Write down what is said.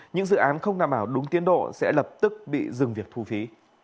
những dự án không đảm bảo đúng tiến độ sẽ lập tức bị dừng việc thu phí